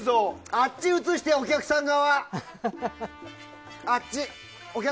あっち映してよ、お客さん側。